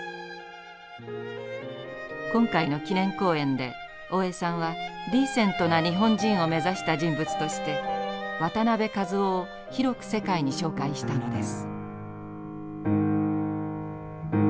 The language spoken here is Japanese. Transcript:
今回の記念講演で大江さんはディーセントな日本人を目指した人物として渡辺一夫を広く世界に紹介したのです。